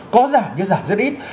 có giảm nhưng giảm rất ít